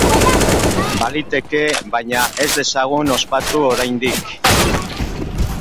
Baliteke, baina ez dezagun ospatu oraindik.